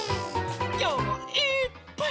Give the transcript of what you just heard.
きょうもいっぱい。